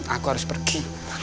aku harus pergi